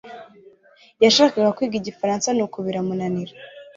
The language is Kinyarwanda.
Yashakaga kwiga Igifaransa nuko biramunanira.